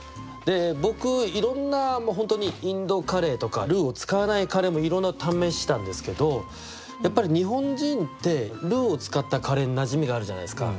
僕いろんなもう本当にインドカレーとかルーを使わないカレーもいろんな試したんですけどやっぱり日本人ってルーを使ったカレーになじみがあるじゃないですか。